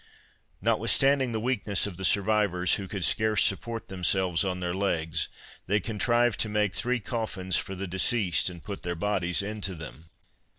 Notwithstanding the weakness of the survivors, who could scarce support themselves on their legs, they contrived to make three coffins for the deceased, and put their bodies into them.